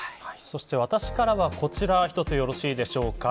私からは、こちら１つよろしいでしょうか。